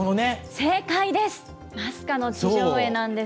正解です。